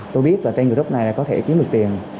tôi biết là trên group này có thể chiếm được tiền